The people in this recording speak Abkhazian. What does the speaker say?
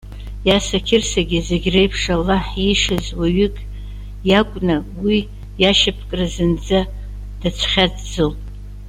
Иаса Қьырсагьы, зегь реиԥш Аллаҳ иишаз уаҩык иакәны, уи иашьапкра зынӡа дацәхьаҵӡом.